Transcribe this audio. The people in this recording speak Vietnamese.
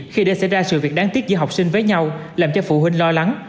khi để xảy ra sự việc đáng tiếc giữa học sinh với nhau làm cho phụ huynh lo lắng